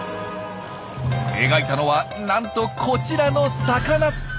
描いたのはなんとこちらの魚！